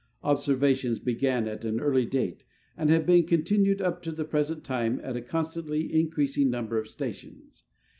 Observations began at an early date, and have been continued up to the present time at a constantly increasing number of stations.